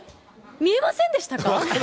見えませんでしたか。